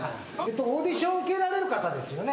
オーディション受けられる方ですよね？